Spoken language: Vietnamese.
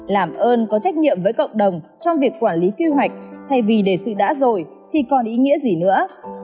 làm ơn có trách nhiệm với cộng đồng trong việc quản lý quy hoạch thay vì đề sự đã rồi thì còn ý nghĩa gì nữa